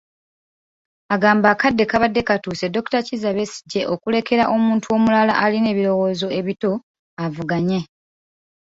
Agamba akadde kabadde katuuse Dr. Kizza Besigye okulekera omuntu omulala alina ebirowoozo ebito avuganye.